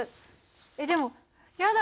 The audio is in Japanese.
えっでもやだ